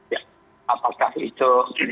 ya apakah itu